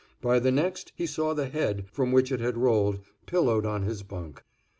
By the next, he saw the head, from which it had rolled, pillowed on his bunk.